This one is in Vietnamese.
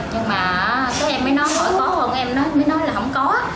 nhưng mà cái em mới nói hỏi có không em mới nói là không có